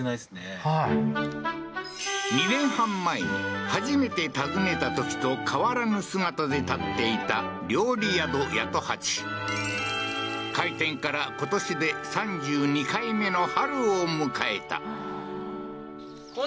はい２年半前に初めて訪ねたときと変わらぬ姿で建っていた開店から今年で３２回目の春を迎えた